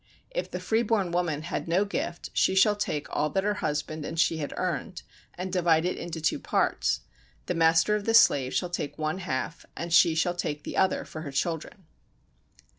If the free born woman had no gift she shall take all that her husband and she had earned and divide it into two parts; and the master of the slave shall take one half and she shall take the other for her children.